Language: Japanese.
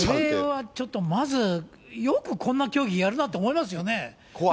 これはちょっとまず、よくこんな競技やるなと思いますよね。